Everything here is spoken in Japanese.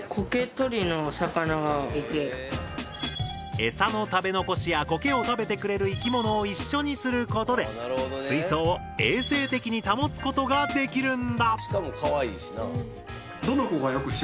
エサの食べ残しやコケを食べてくれる生き物を一緒にすることで水槽を衛生的に保つことができるんだ。